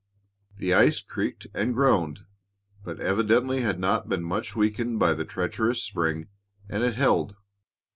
The ice creaked and groaned, but evidently had not been much weakened by the treacherous spring, and it held.